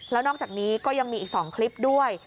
แล้วนอกจากนี้ก็ยังมีอีก๒คลิปด้วย